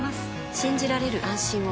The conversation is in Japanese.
信じられる、安心を。